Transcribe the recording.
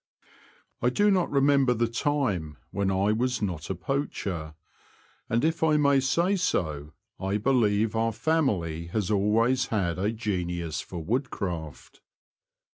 T/^^0 not remember the time when I was C 1^ not a poacher ; and if I may say so, I beUeve our family has always had a genius for woodcraft.